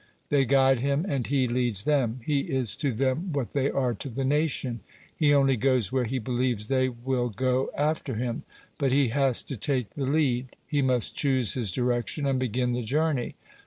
They guide him and he leads them. He is to them what they are to the nation. He only goes where he believes they will go after him. But he has to take the lead; he must choose his direction, and begin the journey.